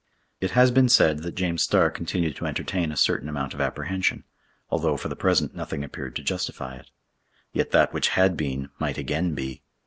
It has been said that James Starr continued to entertain a certain amount of apprehension, although for the present nothing appeared to justify it. Yet that which had been might again be.